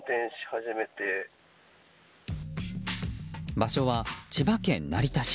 場所は千葉県成田市。